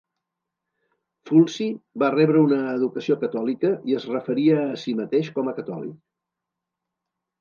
Fulci va rebre una educació catòlica i es referia a si mateix com a catòlic.